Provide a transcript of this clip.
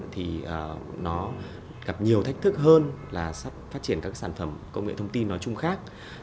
thì nó gặp nhiều thách thức hơn là phát triển các sản phẩm công nghệ thông tin nói chung khác